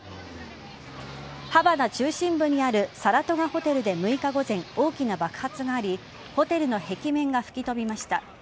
ハバナ中心部にあるサラトガ・ホテルで６日午前大きな爆発がありホテルの壁面が吹き飛びました。